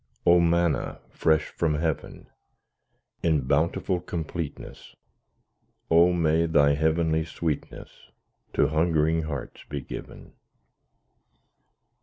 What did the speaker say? O Manna fresh from heaven! In bountiful completeness, O may Thy heavenly sweetness To hungering hearts be given.